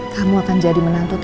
kamu akan jadi menantu tante